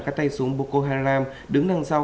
các tay súng boko haram đứng đằng sau